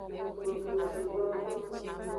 Dodomekplon.